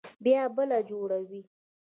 بيا بله جوړوي.